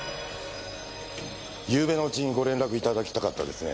昨夜のうちにご連絡頂きたかったですね。